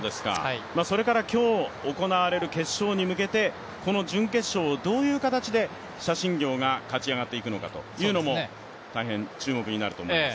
それから今日行われる決勝に向けて、この準決勝をどういう形で謝震業が勝ち上がっていくのかというのも、大変注目になると思います。